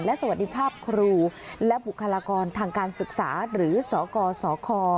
สวัสดีภาพครูและบุคลากรทางการศึกษาหรือสกสค